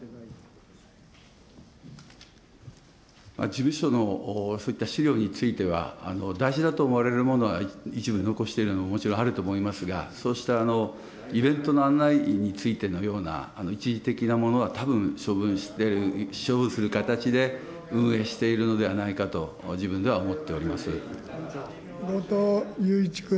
事務所のそういった資料については、大事だと思われるものは一部残しているのももちろんあると思いますが、そうしたイベントの案内についてのような一時的なものは、たぶん処分してる、処分する形で運営しているのではないかと、自後藤祐一君。